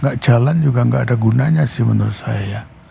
nggak jalan juga nggak ada gunanya sih menurut saya